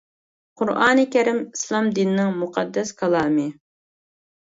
«قۇرئانى كەرىم» ئىسلام دىنىنىڭ مۇقەددەس كالامى.